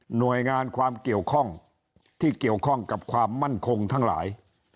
หน่วยงานความเกี่ยวข้องที่เกี่ยวข้องกับความมั่นคงทั้งหลาย